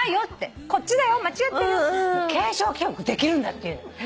形状記憶できるんだっていうの。